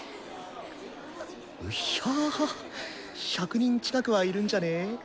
うっひゃ１００人近くはいるんじゃね？